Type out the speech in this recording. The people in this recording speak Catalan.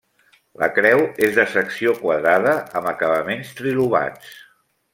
La creu és de secció quadrada amb acabaments trilobats.